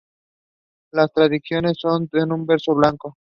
Las traducciones son en verso blanco.